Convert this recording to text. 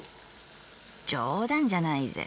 『冗談じゃないぜ。